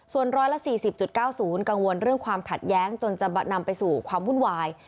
ส่วน๑๔๐๙๐กังวลเรื่องความขัดแย้งจนจะนำไปสู่ความวุ่นวาย